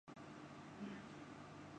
ہمارے ساتھ کھانے میں شریک ہوں